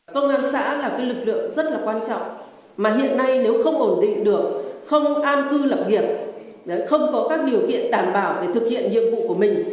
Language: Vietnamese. công an xã là lực lượng rất là quan trọng mà hiện nay nếu không ổn định được không an cư lập nghiệp không có các điều kiện đảm bảo để thực hiện nhiệm vụ của mình